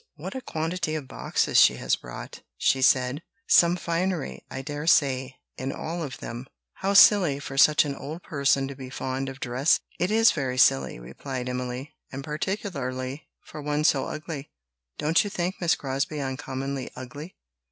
"What a quantity of boxes she has brought!" she said; "some finery, I dare say, in all of them; how silly for such an old person to be fond of dress!" "It is very silly," replied Emily, "and particularly for one so ugly. Don't you think Miss Crosbie uncommonly ugly?"